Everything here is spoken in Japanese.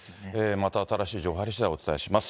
また新しい情報が入りましたらお伝えします。